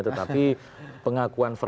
tetapi pengakuan verbalnya memang untuk